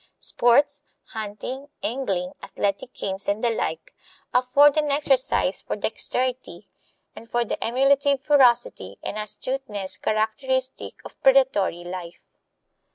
Sports hunting, angling, athletic games, and the like afford an exercise for dexterity and for the emulative ferocity and astuteness characteristic of predatory life.